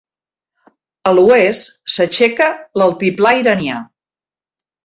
A l'oest s'aixeca l'Altiplà Iranià.